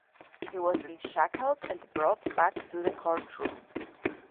He was then shackled and brought back to the courtroom.